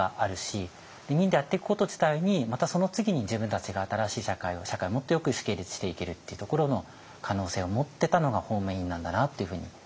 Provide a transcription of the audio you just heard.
民でやっていくこと自体にまたその次に自分たちが新しい社会を社会をもっとよくしていけるっていうところの可能性を持ってたのが方面委員なんだなというふうに思いますね。